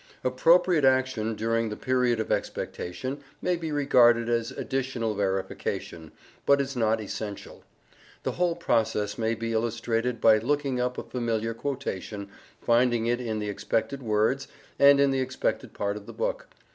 Appropriate action, during the period of expectation, may be regarded as additional verification, but is not essential. The whole process may be illustrated by looking up a familiar quotation, finding it in the expected words, and in the expected part of the book.